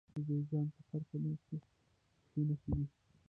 د جوزجان په قرقین کې د څه شي نښې دي؟